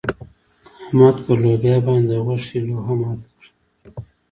احمد پر لوبيا باندې د غوښې لوهه ماته کړه.